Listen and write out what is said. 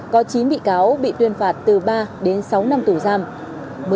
có chín bị cáo bị tuyên phạt từ ba đến sáu năm